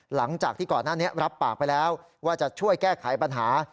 หลังจากที่ก่อนหน้านี้รับปากไปแล้วว่าจะช่วยแก้ไขปัญหา